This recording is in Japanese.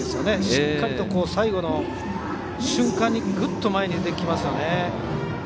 しっかりと最後の瞬間にぐっと前に出てきますね。